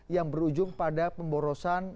yang berujung pada pemborosan